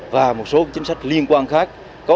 và một số chính sách liên quan khác